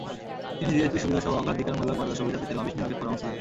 তিনি জিএসপি সুবিধাসহ অগ্রাধিকারমূলক বাজার সুবিধা পেতে লবিস্ট নিয়োগের পরামর্শ দেন।